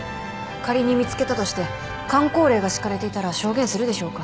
仮に見つけたとしてかん口令が敷かれていたら証言するでしょうか。